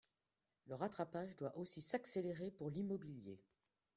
Le rattrapage doit aussi s’accélérer pour l’immobilier.